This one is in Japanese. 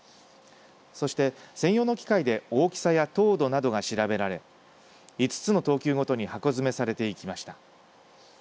そして専用の機械で大きさや糖度などが調べられ５つの等級ごとに箱詰めされていきました。